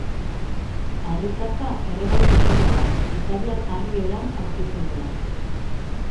Harrikatza erregai fosila da, izadian harri eran aurkitzen dena.